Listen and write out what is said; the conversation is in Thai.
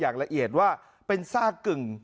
อย่างละเอียดว่าเป็นซากกึ่ง